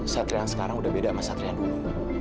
satria yang sekarang udah beda sama satria yang dulu